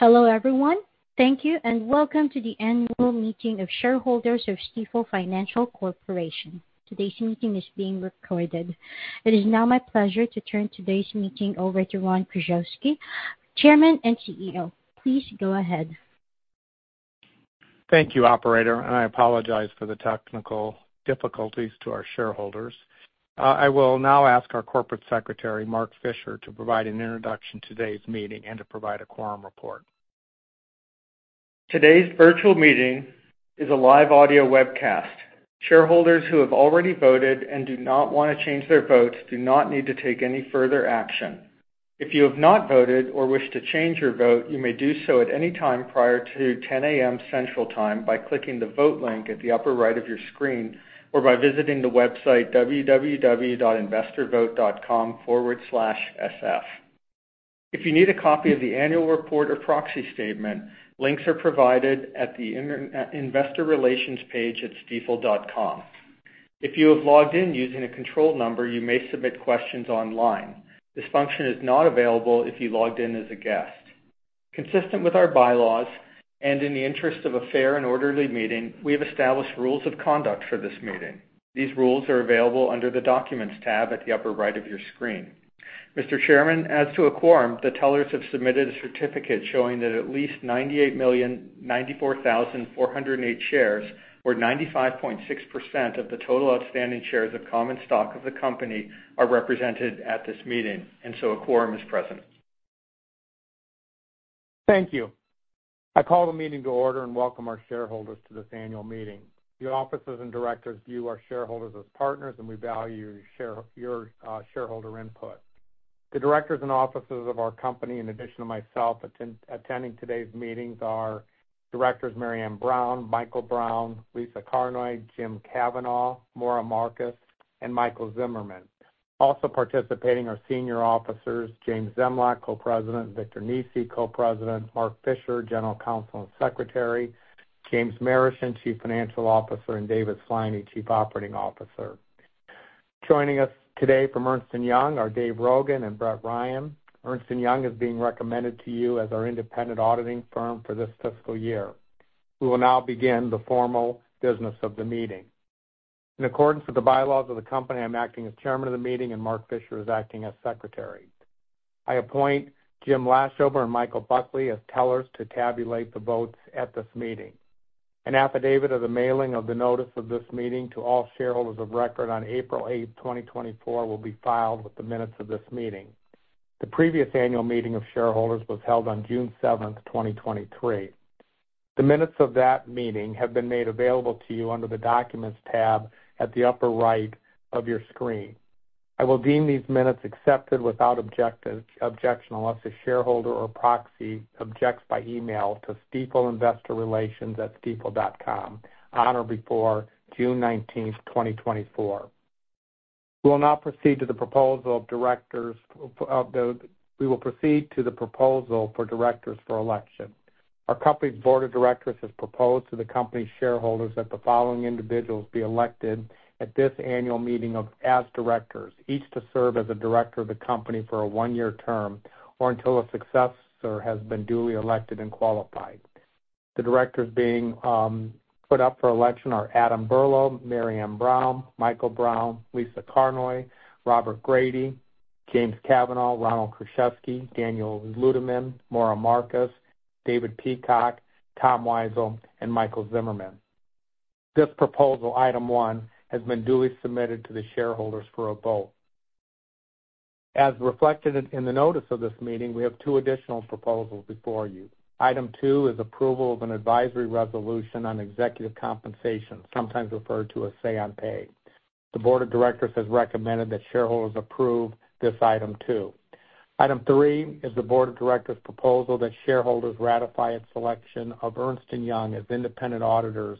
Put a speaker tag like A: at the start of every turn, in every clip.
A: Hello, everyone. Thank you, and welcome to the Annual Meeting of shareholders of Stifel Financial Corporation. Today's meeting is being recorded. It is now my pleasure to turn today's meeting over to Ron Kruszewski, Chairman and CEO. Please go ahead.
B: Thank you, operator, and I apologize for the technical difficulties to our shareholders. I will now ask our Corporate Secretary, Mark Fisher, to provide an introduction to today's meeting and to provide a quorum report.
C: Today's virtual meeting is a live audio webcast. Shareholders who have already voted and do not want to change their votes do not need to take any further action. If you have not voted or wish to change your vote, you may do so at any time prior to 10:00 A.M. Central Time by clicking the vote link at the upper right of your screen, or by visiting the website www.investorvote.com/sf. If you need a copy of the annual report or proxy statement, links are provided at the investor relations page at Stifel.com. If you have logged in using a control number, you may submit questions online. This function is not available if you logged in as a guest. Consistent with our bylaws and in the interest of a fair and orderly meeting, we have established rules of conduct for this meeting. These rules are available under the Documents Tab at the upper right of your screen. Mr. Chairman, as to a quorum, the tellers have submitted a certificate showing that at least 98,094,408 shares, or 95.6% of the total outstanding shares of common stock of the company, are represented at this meeting, and so a quorum is present.
B: Thank you. I call the meeting to order and welcome our shareholders to this annual meeting. The officers and directors view our shareholders as partners, and we value your shareholder input. The directors and officers of our company, in addition to myself, attending today's meetings are directors Marianne Brown, Michael Brown, Lisa Carnoy, James Kavanaugh, Maura Markus, and Michael Zimmerman. Also participating are senior officers James Zemlyak, Co-President, Victor Nesi, Co-President, Mark Fisher, General Counsel and Secretary, James Marischen, Chief Financial Officer, and David Sliney, Chief Operating Officer. Joining us today from Ernst & Young are Dave Rogan and Brett Ryan. Ernst & Young is being recommended to you as our independent auditing firm for this fiscal year. We will now begin the formal business of the meeting. In accordance with the bylaws of the company, I'm acting as chairman of the meeting, and Mark Fisher is acting as secretary. I appoint James Laschober and Michael Buckley as tellers to tabulate the votes at this meeting. An affidavit of the mailing of the notice of this meeting to all shareholders of record on April 8, 2024, will be filed with the minutes of this meeting. The previous annual meeting of shareholders was held on June 7, 2023. The minutes of that meeting have been made available to you under the Documents Tab at the upper right of your screen. I will deem these minutes accepted without objection, unless a shareholder or proxy objects by email to Stifel Investor Relations at stifel.com on or before June 19, 2024. We will now proceed to the proposal of directors... We will proceed to the proposal for directors for election. Our company's board of directors has proposed to the company's shareholders that the following individuals be elected at this annual meeting as directors, each to serve as a director of the company for a one-year term or until a successor has been duly elected and qualified. The directors being put up for election are Adam Berlew, Marianne Brown, Michael Brown, Lisa Carnoy, Robert Grady, James Kavanaugh, Ronald Kruszewski, Daniel Ludeman, Maura Markus, David Peacock, Thomas Weisel, and Michael Zimmerman. This proposal, item one, has been duly submitted to the shareholders for a vote. As reflected in the notice of this meeting, we have two additional proposals before you. Item two is approval of an advisory resolution on executive compensation, sometimes referred to as say on pay. The board of directors has recommended that shareholders approve this item two. Item three is the board of directors' proposal that shareholders ratify its selection of Ernst & Young as independent auditors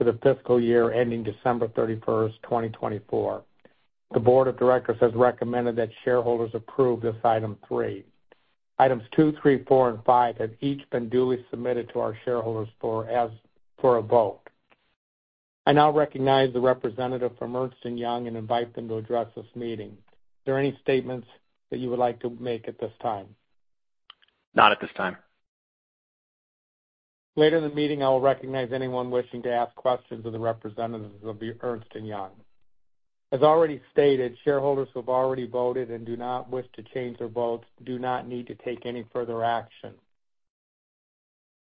B: for the fiscal year ending December 31, 2024. The board of directors has recommended that shareholders approve this item three. Items two, three, four, and five have each been duly submitted to our shareholders for a vote. I now recognize the representative from Ernst & Young and invite them to address this meeting. Are there any statements that you would like to make at this time?
C: Not at this time.
B: Later in the meeting, I will recognize anyone wishing to ask questions of the representatives of Ernst & Young. As already stated, shareholders who have already voted and do not wish to change their votes do not need to take any further action.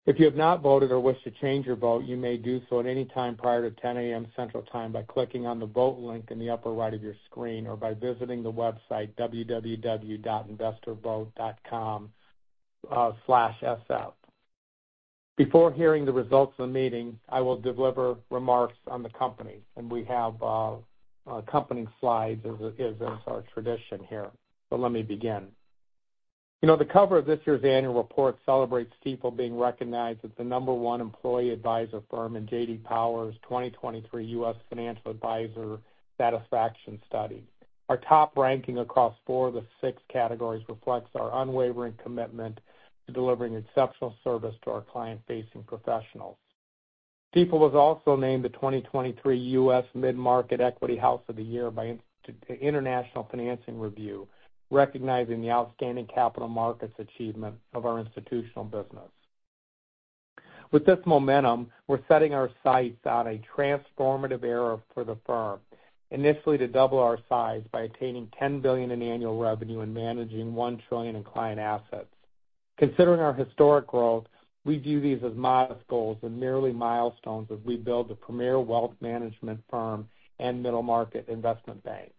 B: If you have not voted or wish to change your vote, you may do so at any time prior to 10:00 A.M. Central Time by clicking on the vote link in the upper right of your screen, or by visiting the website www.investorvote.com/sf. Before hearing the results of the meeting, I will deliver remarks on the company, and we have company slides, as is our tradition here. But let me begin. You know, the cover of this year's annual report celebrates Stifel being recognized as the number one employee advisor firm in J.D. Power's 2023 U.S. Financial Advisor Satisfaction Study. Our top ranking across four of the six categories reflects our unwavering commitment to delivering exceptional service to our client-facing professionals.... Stifel was also named the 2023 U.S. Mid-Market Equity House of the Year by International Financing Review, recognizing the outstanding capital markets achievement of our institutional business. With this momentum, we're setting our sights on a transformative era for the firm, initially to double our size by attaining $10 billion in annual revenue and managing $1 trillion in client assets. Considering our historic growth, we view these as modest goals and merely milestones as we build a premier wealth management firm and middle-market investment bank.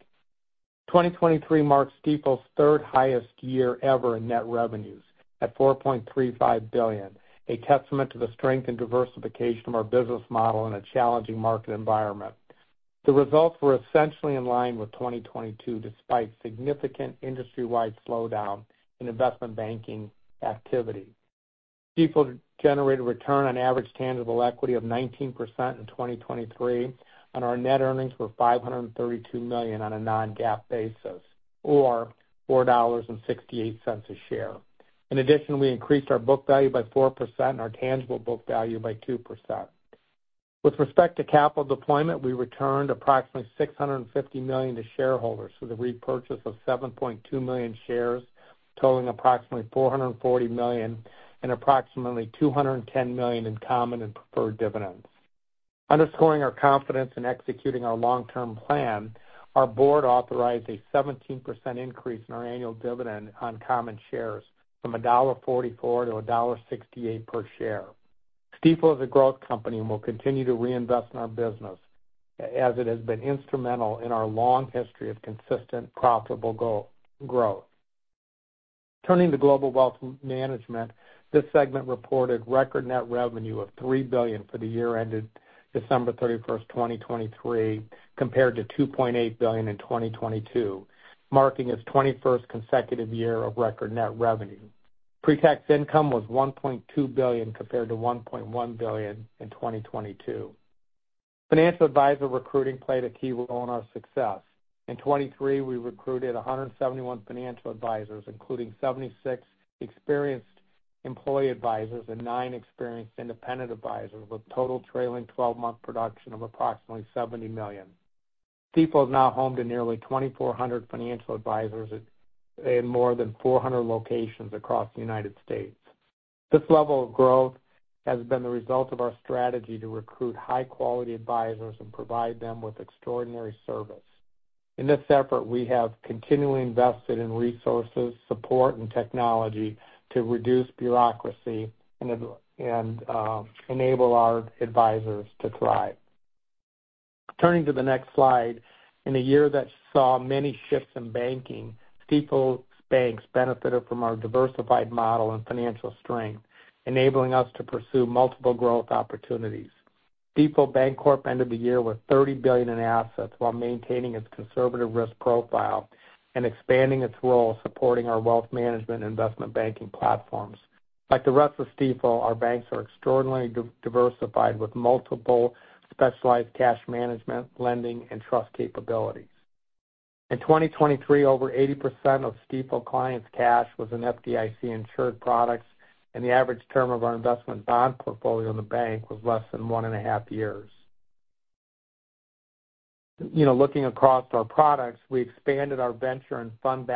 B: 2023 marks Stifel's third-highest year ever in net revenues at $4.35 billion, a testament to the strength and diversification of our business model in a challenging market environment. The results were essentially in line with 2022, despite significant industry-wide slowdown in investment banking activity. Stifel generated return on average tangible equity of 19% in 2023, and our net earnings were $532 million on a non-GAAP basis, or $4.68 a share. In addition, we increased our book value by 4% and our tangible book value by 2%. With respect to capital deployment, we returned approximately $650 million to shareholders through the repurchase of 7.2 million shares, totaling approximately $440 million and approximately $210 million in common and preferred dividends. Underscoring our confidence in executing our long-term plan, our board authorized a 17% increase in our annual dividend on common shares from $1.44 to $1.68 per share. Stifel is a growth company and will continue to reinvest in our business, as it has been instrumental in our long history of consistent, profitable growth. Turning to Global Wealth Management, this segment reported record net revenue of $3 billion for the year ended December 31, 2023, compared to $2.8 billion in 2022, marking its 21st consecutive year of record net revenue. Pre-tax income was $1.2 billion, compared to $1.1 billion in 2022. Financial advisor recruiting played a key role in our success. In 2023, we recruited 171 financial advisors, including 76 experienced employee advisors and nine experienced independent advisors, with total trailing 12-month production of approximately $70 million. Stifel is now home to nearly 2,400 financial advisors at, in more than 400 locations across the United States. This level of growth has been the result of our strategy to recruit high-quality advisors and provide them with extraordinary service. In this effort, we have continually invested in resources, support, and technology to reduce bureaucracy and enable our advisors to thrive. Turning to the next slide, in a year that saw many shifts in banking, Stifel's banks benefited from our diversified model and financial strength, enabling us to pursue multiple growth opportunities. Stifel Bancorp ended the year with $30 billion in assets while maintaining its conservative risk profile and expanding its role supporting our wealth management investment banking platforms. Like the rest of Stifel, our banks are extraordinarily diversified, with multiple specialized cash management, lending, and trust capabilities. In 2023, over 80% of Stifel clients' cash was in FDIC-insured products, and the average term of our investment bond portfolio in the bank was less than 1.5 years. You know, looking across our products, we expanded our venture and fund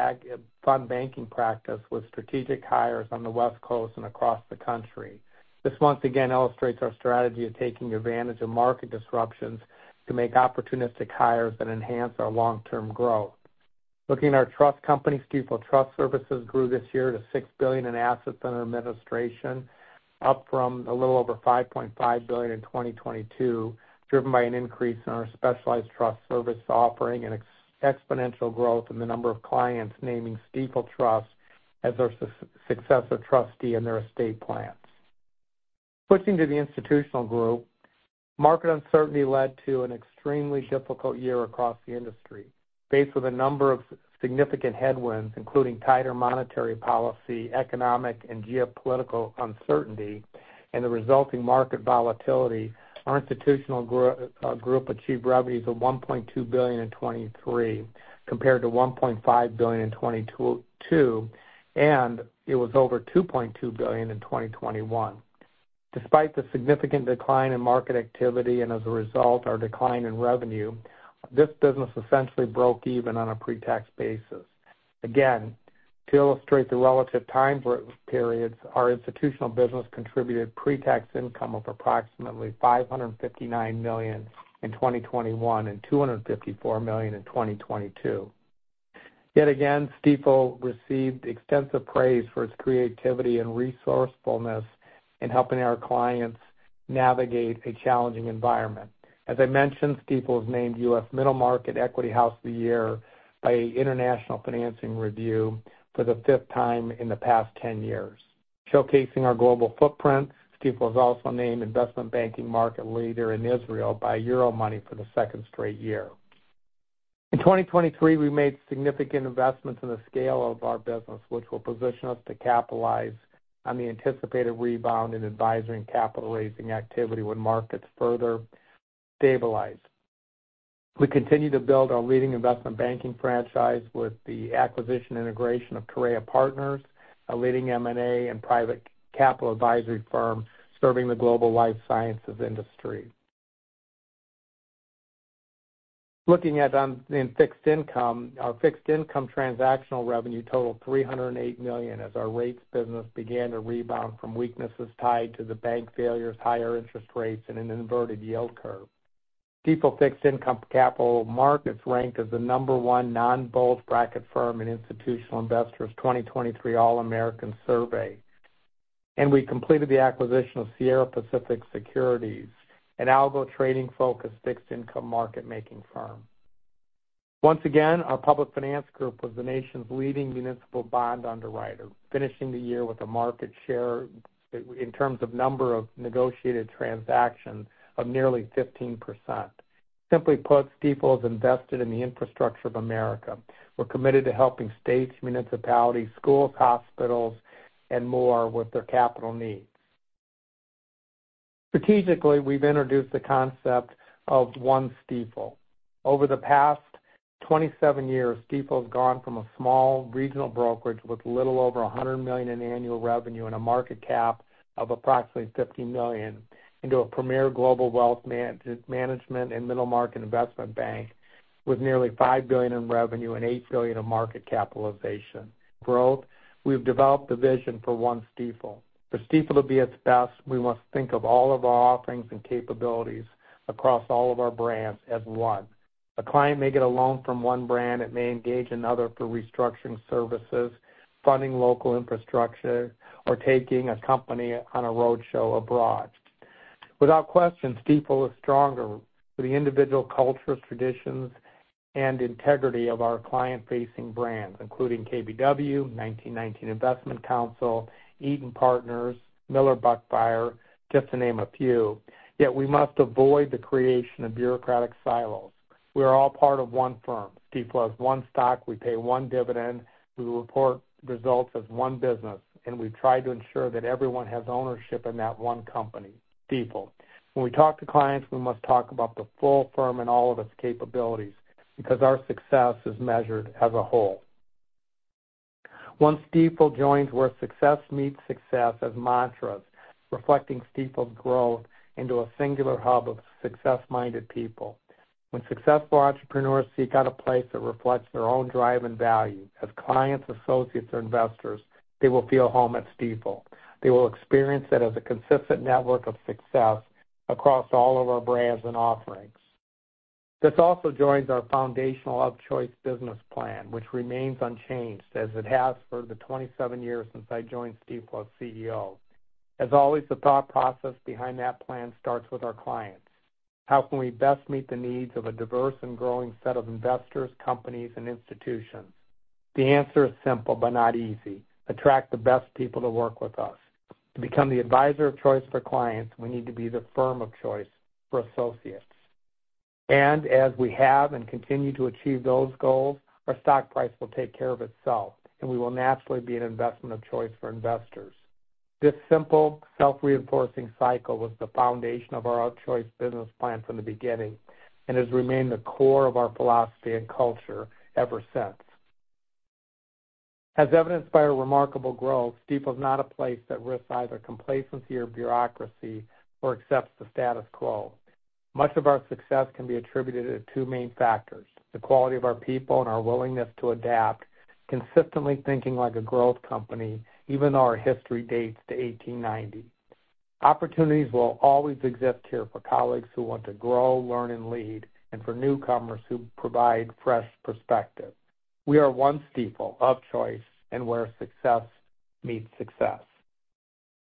B: banking practice with strategic hires on the West Coast and across the country. This once again illustrates our strategy of taking advantage of market disruptions to make opportunistic hires that enhance our long-term growth. Looking at our trust company, Stifel Trust Services grew this year to $6 billion in assets under administration, up from a little over $5.5 billion in 2022, driven by an increase in our specialized trust service offering and exponential growth in the number of clients naming Stifel Trust as their successor trustee in their estate plans. Switching to the institutional group, market uncertainty led to an extremely difficult year across the industry. Faced with a number of significant headwinds, including tighter monetary policy, economic and geopolitical uncertainty, and the resulting market volatility, our institutional group achieved revenues of $1.2 billion in 2023, compared to $1.5 billion in 2022, and it was over $2.2 billion in 2021. Despite the significant decline in market activity and as a result, our decline in revenue, this business essentially broke even on a pre-tax basis. Again, to illustrate the relative time periods, our institutional business contributed pre-tax income of approximately $559 million in 2021 and $254 million in 2022. Yet again, Stifel received extensive praise for its creativity and resourcefulness in helping our clients navigate a challenging environment. As I mentioned, Stifel was named U.S. Middle Market Equity House of the Year by International Financing Review for the fifth time in the past 10 years. Showcasing our global footprint, Stifel was also named investment banking market leader in Israel by Euromoney for the second straight year. In 2023, we made significant investments in the scale of our business, which will position us to capitalize on the anticipated rebound in advisory and capital-raising activity when markets further stabilize.... We continue to build our leading investment banking franchise with the acquisition integration of Torreya Partners, a leading M&A and private capital advisory firm serving the global life sciences industry. Looking at, in fixed income, our fixed-income transactional revenue totaled $308 million as our rates business began to rebound from weaknesses tied to the bank failures, higher interest rates, and an inverted yield curve. Stifel Fixed Income Capital Markets ranked as the number one non-bulge bracket firm in Institutional Investor's 2023 All-American survey, and we completed the acquisition of Sierra Pacific Securities, an Algo-trading-focused fixed-income market-making firm. Once again, our public finance group was the nation's leading municipal bond underwriter, finishing the year with a market share, in terms of number of negotiated transactions, of nearly 15%. Simply put, Stifel is invested in the infrastructure of America. We're committed to helping states, municipalities, schools, hospitals, and more with their capital needs. Strategically, we've introduced the concept of One Stifel. Over the past 27 years, Stifel's gone from a small regional brokerage with little over $100 million in annual revenue and a market cap of approximately $50 million, into a premier global wealth management and middle-market investment bank with nearly $5 billion in revenue and $8 billion in market capitalization. Growth, we've developed a vision for One Stifel. For Stifel to be its best, we must think of all of our offerings and capabilities across all of our brands as one. A client may get a loan from one brand and may engage another for restructuring services, funding local infrastructure, or taking a company on a roadshow abroad. Without question, Stifel is stronger for the individual cultures, traditions, and integrity of our client-facing brands, including KBW, 1919 Investment Counsel, Eaton Partners, Miller Buckfire, just to name a few. Yet we must avoid the creation of bureaucratic silos. We are all part of one firm. Stifel has one stock. We pay one dividend. We report results as one business, and we try to ensure that everyone has ownership in that one company, Stifel. When we talk to clients, we must talk about the full firm and all of its capabilities, because our success is measured as a whole. One Stifel joins where success meets success as mantras, reflecting Stifel's growth into a singular hub of success-minded people. When successful entrepreneurs seek out a place that reflects their own drive and value as clients, associates, or investors, they will feel home at Stifel. They will experience it as a consistent network of success across all of our brands and offerings. This also joins our foundational of-choice business plan, which remains unchanged, as it has for the 27 years since I joined Stifel as CEO. As always, the thought process behind that plan starts with our clients. How can we best meet the needs of a diverse and growing set of investors, companies, and institutions? The answer is simple but not easy: Attract the best people to work with us. To become the advisor of choice for clients, we need to be the firm of choice for associates. As we have and continue to achieve those goals, our stock price will take care of itself, and we will naturally be an investment of choice for investors. This simple, self-reinforcing cycle was the foundation of our of choice business plan from the beginning and has remained the core of our philosophy and culture ever since. As evidenced by our remarkable growth, Stifel is not a place that risks either complacency or bureaucracy or accepts the status quo. Much of our success can be attributed to two main factors: the quality of our people and our willingness to adapt, consistently thinking like a growth company, even though our history dates to 1890. Opportunities will always exist here for colleagues who want to grow, learn, and lead, and for newcomers who provide fresh perspective. We are One Stifel of choice, and where success meets success.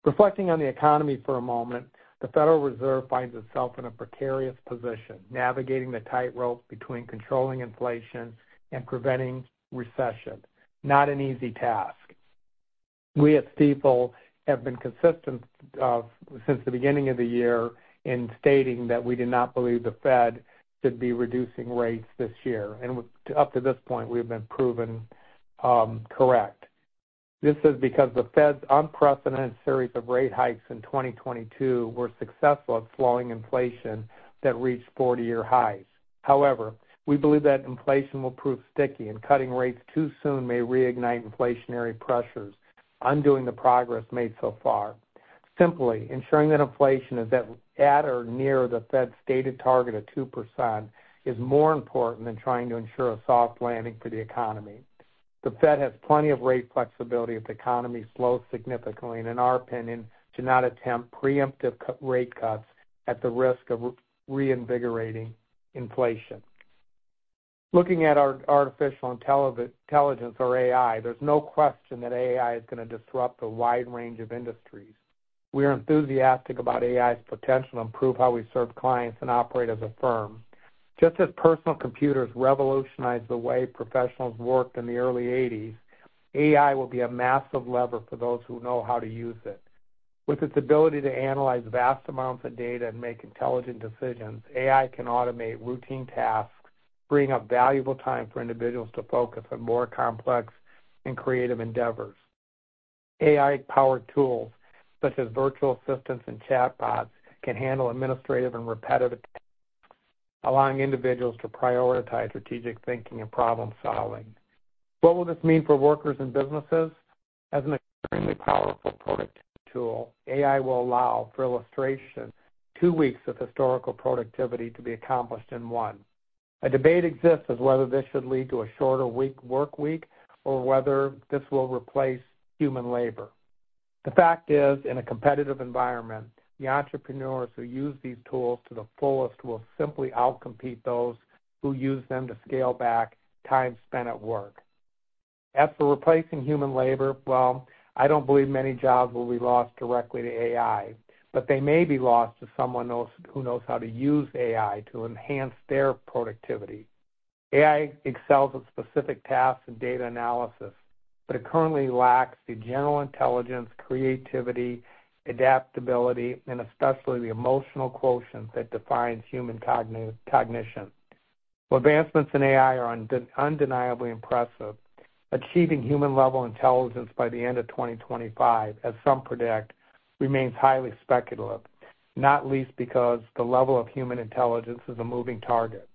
B: Reflecting on the economy for a moment, the Federal Reserve finds itself in a precarious position, navigating the tightrope between controlling inflation and preventing recession. Not an easy task. We, at Stifel, have been consistent since the beginning of the year in stating that we do not believe the Fed should be reducing rates this year, and up to this point, we've been proven correct. This is because the Fed's unprecedented series of rate hikes in 2022 were successful at slowing inflation that reached 40-year highs. However, we believe that inflation will prove sticky, and cutting rates too soon may reignite inflationary pressures, undoing the progress made so far. Simply, ensuring that inflation is at or near the Fed's stated target of 2% is more important than trying to ensure a soft landing for the economy. The Fed has plenty of rate flexibility if the economy slows significantly, and in our opinion, to not attempt preemptive rate cuts at the risk of re-invigorating inflation. Looking at our artificial intelligence or AI, there's no question that AI is gonna disrupt a wide range of industries. We are enthusiastic about AI's potential to improve how we serve clients and operate as a firm. Just as personal computers revolutionized the way professionals worked in the early 1980s, AI will be a massive lever for those who know how to use it. With its ability to analyze vast amounts of data and make intelligent decisions, AI can automate routine tasks, freeing up valuable time for individuals to focus on more complex and creative endeavors. AI-powered tools, such as virtual assistants and chatbots, can handle administrative and repetitive, allowing individuals to prioritize strategic thinking and problem-solving. What will this mean for workers and businesses? As an extremely powerful productivity tool, AI will allow, for illustration, two weeks of historical productivity to be accomplished in one. A debate exists as whether this should lead to a shorter week--work week, or whether this will replace human labor. The fact is, in a competitive environment, the entrepreneurs who use these tools to the fullest will simply out-compete those who use them to scale back time spent at work. As for replacing human labor, well, I don't believe many jobs will be lost directly to AI, but they may be lost to someone else who knows how to use AI to enhance their productivity. AI excels at specific tasks and data analysis, but it currently lacks the general intelligence, creativity, adaptability, and especially the emotional quotient that defines human cognition. While advancements in AI are undeniably impressive, achieving human-level intelligence by the end of 2025, as some predict, remains highly speculative, not least because the level of human intelligence is a moving target.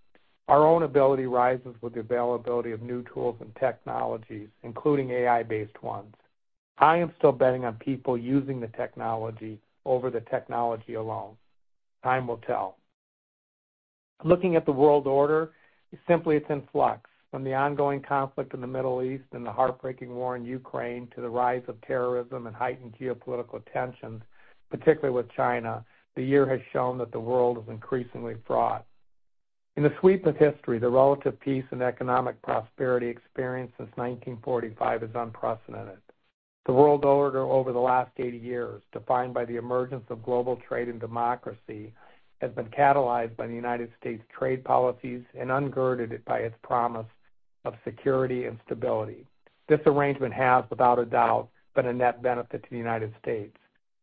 B: Our own ability rises with the availability of new tools and technologies, including AI-based ones. I am still betting on people using the technology over the technology alone. Time will tell. Looking at the world order, simply, it's in flux. From the ongoing conflict in the Middle East and the heartbreaking war in Ukraine to the rise of terrorism and heightened geopolitical tensions, particularly with China, the year has shown that the world is increasingly fraught. In the sweep of history, the relative peace and economic prosperity experienced since 1945 is unprecedented. The world order over the last 80 years, defined by the emergence of global trade and democracy, has been catalyzed by the United States' trade policies and undergirded by its promise of security and stability. This arrangement has, without a doubt, been a net benefit to the United States.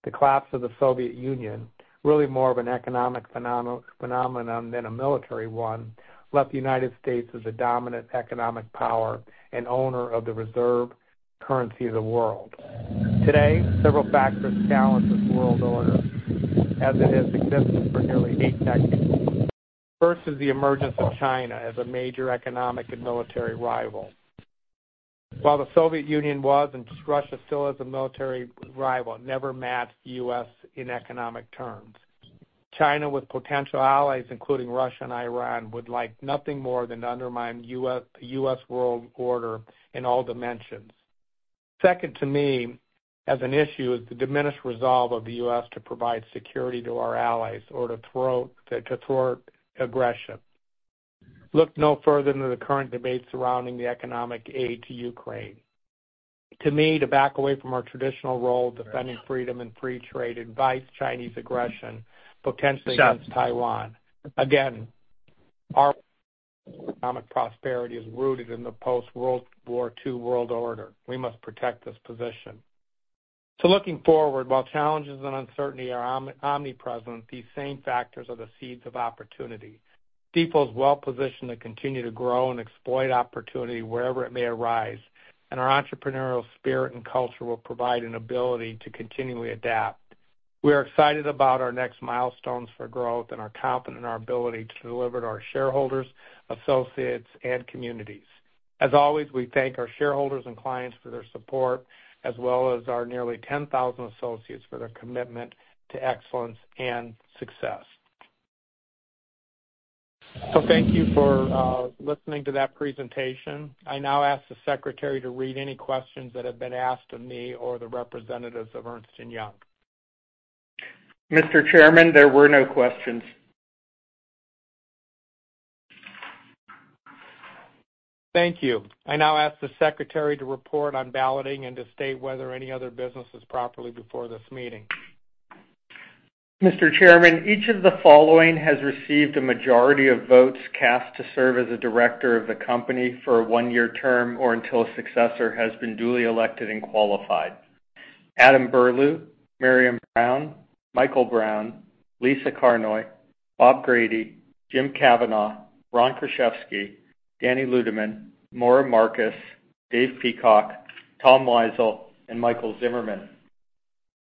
B: The collapse of the Soviet Union, really more of an economic phenomenon than a military one, left the United States as a dominant economic power and owner of the reserve currency of the world. Today, several factors challenge this world order as it has existed for nearly eight decades. First is the emergence of China as a major economic and military rival. While the Soviet Union was, and Russia still is, a military rival, it never matched the U.S. in economic terms. China, with potential allies, including Russia and Iran, would like nothing more than to undermine U.S., the U.S. world order in all dimensions. Second, to me, as an issue, is the diminished resolve of the U.S. to provide security to our allies or to thwart aggression. Look no further than the current debate surrounding the economic aid to Ukraine. To me, to back away from our traditional role defending freedom and free trade invites Chinese aggression, potentially against Taiwan. Again, our economic prosperity is rooted in the post-World War II world order. We must protect this position. So looking forward, while challenges and uncertainty are omnipresent, these same factors are the seeds of opportunity. Stifel is well positioned to continue to grow and exploit opportunity wherever it may arise, and our entrepreneurial spirit and culture will provide an ability to continually adapt. We are excited about our next milestones for growth and are confident in our ability to deliver to our shareholders, associates, and communities. As always, we thank our shareholders and clients for their support, as well as our nearly 10,000 associates for their commitment to excellence and success. So thank you for listening to that presentation. I now ask the secretary to read any questions that have been asked of me or the representatives of Ernst & Young.
C: Mr. Chairman, there were no questions.
B: Thank you. I now ask the secretary to report on balloting and to state whether any other business is properly before this meeting.
C: Mr. Chairman, each of the following has received a majority of votes cast to serve as a director of the company for a one-year term or until a successor has been duly elected and qualified: Adam Berlew, Marianne Brown, Michael Brown, Lisa Carnoy, Bob Grady, James Kavanaugh, Ron Kruszewski, Danny Ludeman, Maura Markus, Dave Peacock, Tom Weisel, and Michael Zimmerman.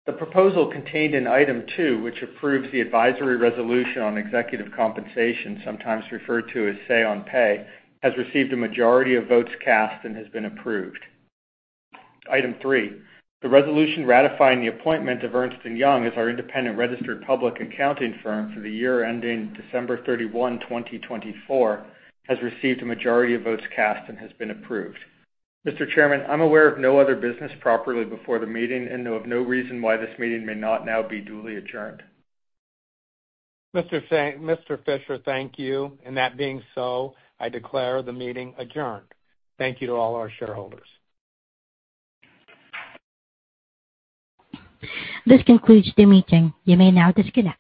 C: The proposal contained in item two, which approves the advisory resolution on executive compensation, sometimes referred to as Say on Pay, has received a majority of votes cast and has been approved. Item three: the resolution ratifying the appointment of Ernst & Young as our independent registered public accounting firm for the year ending December 31, 2024, has received a majority of votes cast and has been approved. Mr. Chairman, I'm aware of no other business properly before the meeting and know of no reason why this meeting may not now be duly adjourned.
B: Mr. Fisher, thank you. And that being so, I declare the meeting adjourned. Thank you to all our shareholders.
A: This concludes the meeting. You may now disconnect.